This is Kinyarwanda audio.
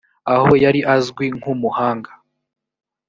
aho yari azwi nk umuhanga